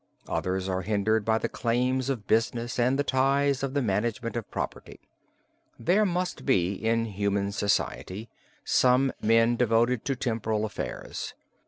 Others are hindered by the claims of business and the ties of the management of property. There must be in human society some men devoted to temporal affairs.